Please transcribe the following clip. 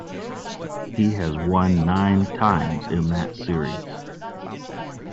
He has won nine times in that series.